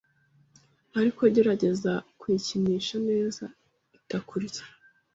ariko gerageza kuyikinisha neza itakurya